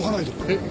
えっ？